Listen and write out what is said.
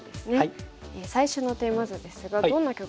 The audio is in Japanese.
最初のテーマ図ですがどんな局面でしょうか。